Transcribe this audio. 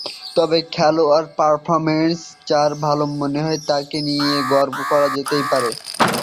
তবে খেলার পারফরম্যান্স যার ভালো হয়, তাকে নিয়ে গর্ব করা যেতেই পারে।